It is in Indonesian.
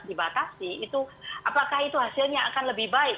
dibatasi apakah itu hasilnya akan lebih baik